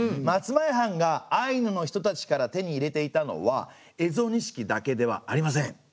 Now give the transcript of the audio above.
松前藩がアイヌの人たちから手に入れていたのは蝦夷錦だけではありません。